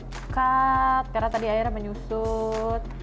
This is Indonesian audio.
pekat karena tadi airnya menyusut